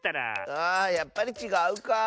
あやっぱりちがうかあ。